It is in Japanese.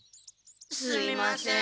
すみません。